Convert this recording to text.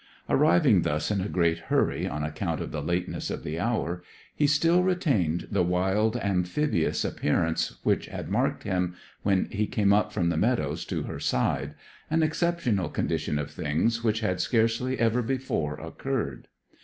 Arriving thus in a great hurry on account of the lateness of the hour, he still retained the wild, amphibious appearance which had marked him when he came up from the meadows to her side an exceptional condition of things which had scarcely ever before occurred.